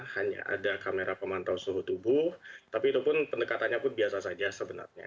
hanya ada kamera pemantau suhu tubuh tapi itu pun pendekatannya pun biasa saja sebenarnya